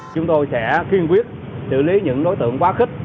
chúng tôi sẽ kiên quyết xử lý những đối tượng quá khích